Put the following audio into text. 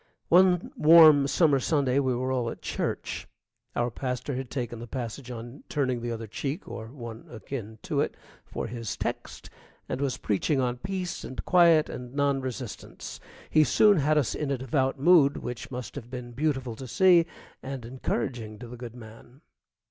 One warm summer Sunday we were all at church. Our pastor had taken the passage on turning the other cheek, or one akin to it, for his text, and was preaching on peace and quiet and non resistance. He soon had us in a devout mood which must have been beautiful to see and encouraging to the good man.